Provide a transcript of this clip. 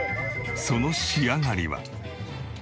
その仕上がりは。